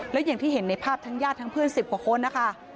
แล้วอย่างที่เห็นในภาพทั้งญาติทั้งเพื่อน๑๐กว่าคนนะคะ